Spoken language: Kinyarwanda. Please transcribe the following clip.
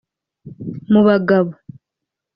Mu bagabo